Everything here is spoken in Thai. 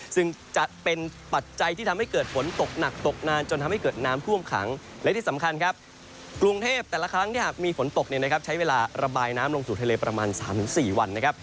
ซึ่งจะเป็นปัจจัยที่ทำให้เกิดฝนตกหนักตกนานจนทำให้เกิดน้ำท่วมขังและที่สำคัญครับกรุงเทพแต่ละครั้งที่หากมีฝนตกใช้เวลาระบายน้ำลงสู่ทะเลประมาณ๓๔วันนะครับ